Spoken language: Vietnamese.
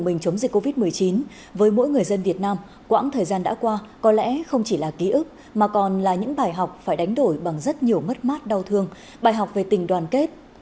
mình chống dịch covid một mươi chín với mỗi người dân việt nam quãng thời gian đã qua có lẽ không chỉ là ký ức mà còn là những bài học phải đánh đổi bằng rất nhiều mất mát đau thương bài học về tình đoàn kết